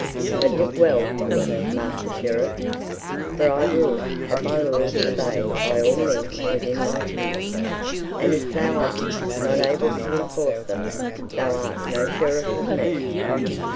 But look well to it, Master Sheriff, for I will have my laws obeyed by all men within my kingdom, and if thou art not able to enforce them thou art no sheriff for me.